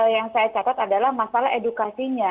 yang saya catat adalah masalah edukasinya